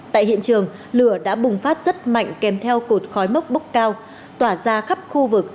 tại hiện trường lửa đã bùng phát rất mạnh kèm theo cột khói mốc bốc cao tỏa ra khắp khu vực